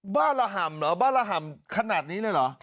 บ้าระห่ำเหรอบ้าระห่ำขนาดนี้เลยเหรอ